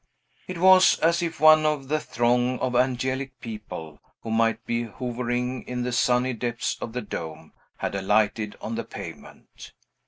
It was as if one of the throng of angelic people, who might be hovering in the sunny depths of the dome, had alighted on the pavement.